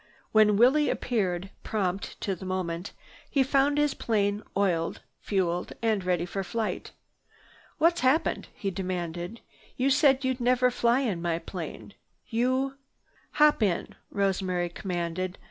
When Willie appeared, prompt to the moment, he found his plane oiled, fueled and ready for flight. "What's happened?" he demanded. "You said you'd never fly in my plane. You—" "Hop in," Rosemary commanded.